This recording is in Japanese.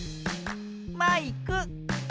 マイク。